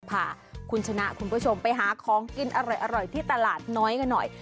พาคุณชนะคุณผู้ชมไปหาของกินอร่อยที่ตลาดน้อยกันหน่อย